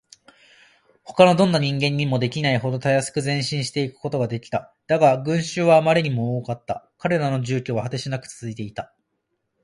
ほかのどんな人間にもできないほどたやすく前進していくことができた。だが、群集はあまりにも多かった。彼らの住居は果てしなくつづいていた。